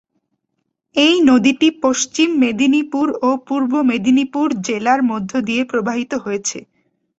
এই নদীটি পশ্চিম মেদিনীপুর ও পূর্ব মেদিনীপুর জেলার মধ্য দিয়ে প্রবাহিত হয়েছে।